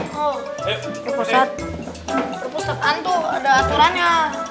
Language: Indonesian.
ustadz ustadz itu ada aturannya